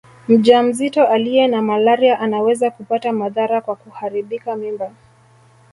Mjamzito aliye na malaria anaweza kupata madhara kwa kuharibika mimba